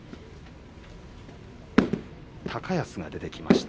高安が出てきました。